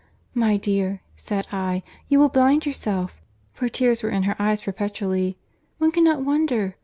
'My dear,' said I, 'you will blind yourself'—for tears were in her eyes perpetually. One cannot wonder, one cannot wonder.